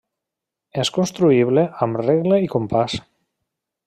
És construïble amb regle i compàs.